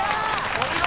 ［お見事！］